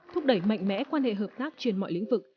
thúc đẩy mạnh mẽ quan hệ hợp tác trên mọi lĩnh vực